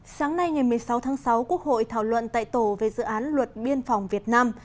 sáng nay ngày một mươi sáu tháng sáu quốc hội thảo luận tại tổ về dự án luật biên phòng việt nam